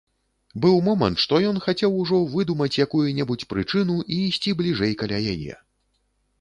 Быў момант, што ён хацеў ужо выдумаць якую-небудзь прычыну і ісці бліжэй каля яе.